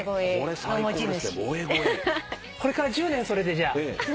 これから１０年それで。